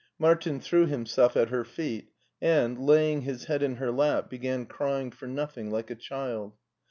Martin threw himself at her feet, and, laying his head in her lap, began crying for nothing, like a child.